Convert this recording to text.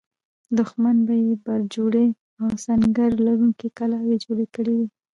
دښمن به یې برجورې او سنګر لرونکې کلاوې جوړې کړې وي.